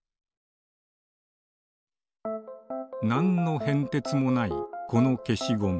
なんのへんてつもないこのけしゴム。